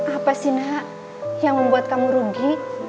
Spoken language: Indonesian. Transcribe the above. apa sih nak yang membuat kamu rugi